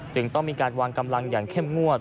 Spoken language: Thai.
ต้องมีการวางกำลังอย่างเข้มงวด